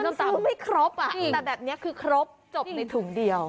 มันซื้อไม่ครบแต่แบบนี้คือครบจบในถุงเดียว